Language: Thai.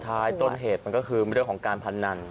สุดท้ายต้นเหตุมันก็คือเงินเรื่องของการพัดดัน